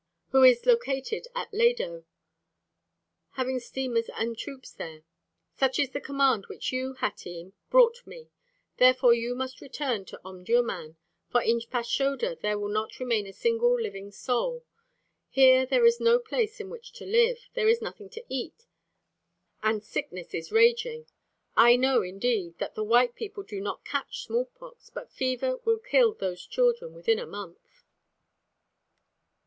] who is located at Lado, having steamers and troops there. Such is the command which you, Hatim, brought me. Therefore you must return to Omdurmân, for in Fashoda there will not remain a single living soul. Here there is no place in which to live, there is nothing to eat, and sickness is raging. I know, indeed, that the white people do not catch small pox, but fever will kill those children within a month."